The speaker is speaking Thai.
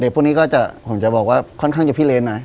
เด็กพวกนี้ก็จะผมจะบอกว่าค่อนข้างจะพิเลนนะ